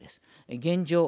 現状